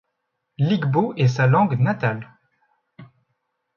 L’igbo est sa langue natale.